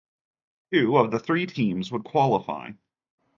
Two of the three teams would qualify.